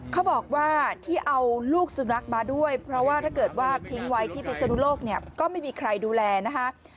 เขาบอกว่าที่เอาลูกสุนัขมาด้วยเพราะว่าถ้าเกิดว่าทิ้งไว้ที่พิศนุโลกเนี่ยก็ไม่มีใครดูแลนะคะ